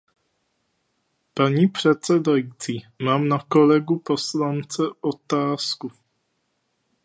Paní předsedající, mám na kolegu poslance otázku.